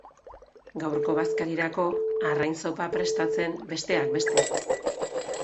Gaurko bazkarirako arrain zopa prestatzen, besteak beste.